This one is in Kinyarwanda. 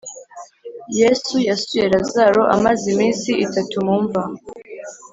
yesu yasuye lazaro amaze iminsi itatu mu imva